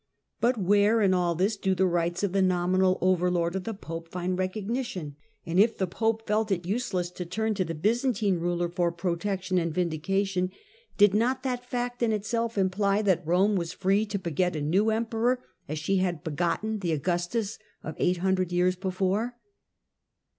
But where, in all this, do the rights of the nominal overlord of the Pope find recognition ? And if the Pope felt it useless to turn to the Byzantine ruler for protection and vindication, did not that fact in itself imply that Eome was free to beget a new Emperor as she had begotten the Augustus of eight hundred years before